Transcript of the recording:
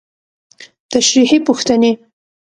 تشريحي پوښتنې: